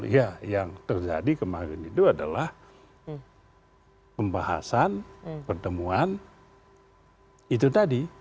ya yang terjadi kemarin itu adalah pembahasan pertemuan itu tadi